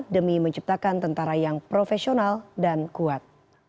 demi menciptakan tentara yang profesional dan kuat